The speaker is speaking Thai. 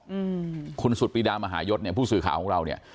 อืมคุณสุดปรีดามหายศเนี่ยผู้สื่อข่าวของเราเนี้ย